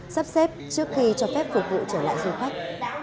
sắp xếp trước khi cho phép phục vụ trở lại du khách